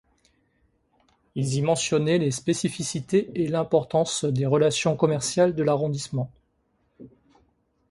Ils y mentionnaient les spécificités et l’importance des relations commerciales de l'arrondissement.